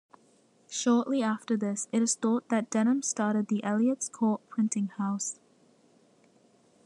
Shortly after this it is thought that Denham started the Eliot's Court Printing House.